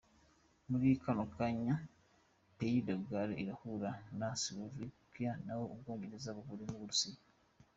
Muri kano kanya Pays des Gales irahura na Slovakia, nayo Ubwongereza buhure n'Uburusiya.